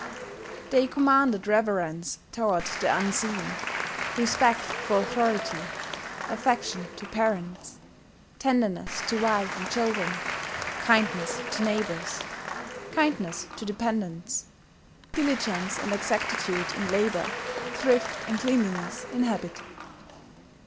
They commanded reverence toward the Unseen, respect for authority, affection to parents, tenderness to wife and children, kindness to neighbours, kindness to dependants, diligence and exactitude in labour, thrift and cleanliness in habit.